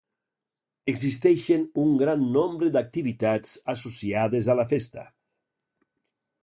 Existeixen un gran nombre d'activitats associades a la festa.